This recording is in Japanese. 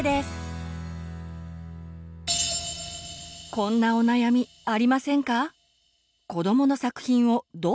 こんなお悩みありませんか？